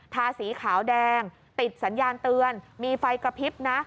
ทาสีขาวแดงติดสัญญาณเตือนมีไฟกระพริบนะ